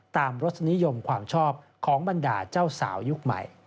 รสนิยมความชอบของบรรดาเจ้าสาวยุคใหม่